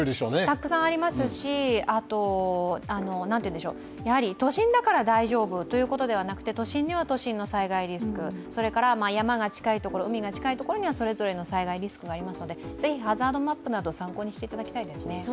たくさんありますし、都心だから大丈夫ということではなくて、都心には都心の災害リスク、それから山が近い所、海が近い所にはそれぞれの災害リスクがありますのでぜひハザードマップなど参考にしていただきたいですね。